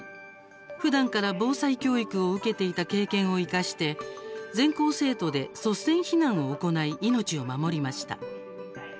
ふだんから防災教育を受けていた経験を生かして全校生徒で率先避難を行い命を守りました。